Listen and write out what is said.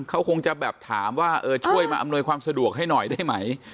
เขาคงจะแบบถามว่าช่วยมาอำนวยความสะดวกให้หน่อยได้ไหม